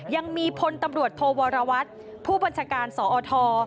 ยังมีพลตำรวจโทวรวัตรผู้บัญชาการสอท